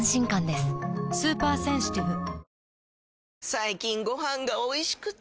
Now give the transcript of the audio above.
最近ご飯がおいしくて！